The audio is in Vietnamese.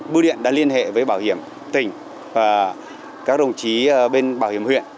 bưu điện đã liên hệ với bảo hiểm tỉnh và các đồng chí bên bảo hiểm huyện